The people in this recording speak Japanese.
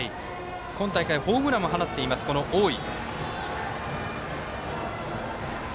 今大会ホームランも放っています大井。